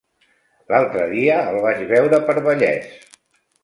L'altre dia el vaig veure per Vallés.